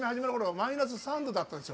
マイナス３度だったんですよ。